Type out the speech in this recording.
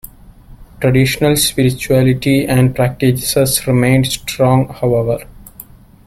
Traditional spirituality and practices remained strong, however.